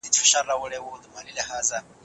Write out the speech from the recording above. د سیمي خلک د دلارام بازار د خپلي سیمي زړه بولي.